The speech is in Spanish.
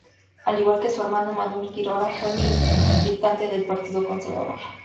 Al igual que su hermano Manuel Girona, fue militante del partido conservador.